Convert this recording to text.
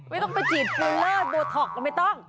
ไม่ต้องไปจีบฟูลเลอร์โบท็อกก็ไม่ต้อง